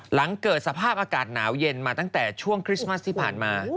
หลังเกิดสภาพอากาศหนาวเย็นมาตั้งแต่ช่วงคริสต์มัสที่ผ่านมา